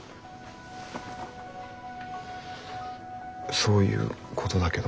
そういうことだけど。